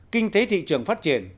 kinh tế thị trường phát triển